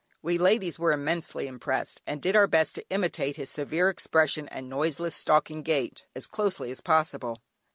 We ladies were immensely impressed, and did our best to imitate his severe expression and noiseless, stalking gait, as closely as possible.